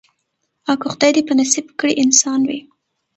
او که خدای دي په نصیب کړی انسان وي